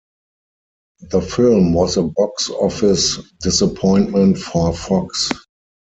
The film was a box office disappointment for Fox.